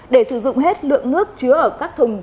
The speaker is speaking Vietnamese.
để sử dụng hết lượng nước chứa ở các thùng